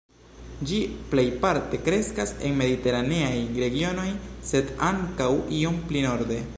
Ĝi plejparte kreskas en Mediteraneaj regionoj, sed ankaŭ iom pli norde.